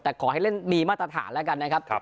แต่ขอให้เล่นมีมาตรฐานแล้วกันนะครับ